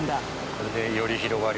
これでより広がりますね。